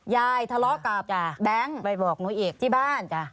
ยายทะเลาะกับแบงค์ที่บ้าน